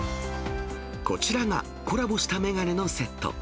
こちらが、コラボした眼鏡のセット。